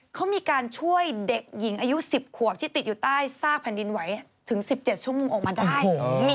เขามีการช่วยเด็กหญิงอายุ๑๐ขวบที่ติดอยู่ใต้ซากแผ่นดินไหวถึง๑๗ชั่วโมงออกมาได้